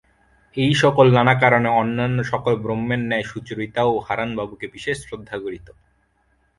এই-সকল নানা কারণে অন্যান্য সকল ব্রাহ্মের ন্যায় সুচরিতাও হারানবাবুকে বিশেষ শ্রদ্ধা করিত।